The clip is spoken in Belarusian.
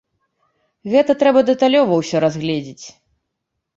Гэта трэба дэталёва ўсё разгледзець.